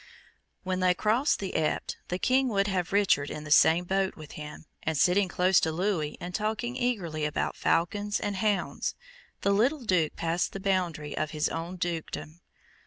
When they crossed the Epte, the King would have Richard in the same boat with him, and sitting close to Louis, and talking eagerly about falcons and hounds, the little Duke passed the boundary of his own dukedom.